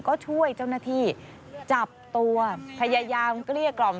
ก็ช่วยเจ้าหน้าที่จับตัวพยายามเกลี้ยกล่อม